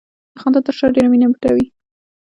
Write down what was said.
د خندا تر شا ډېره مینه پټه وي.